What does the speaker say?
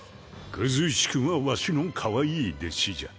クズ石くんはわしのかわいい弟子じゃ。